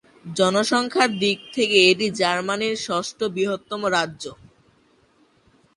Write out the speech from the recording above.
জনসংখ্যার দিক থকে এটি জার্মানির ষষ্ঠ বৃহত্তম রাজ্য।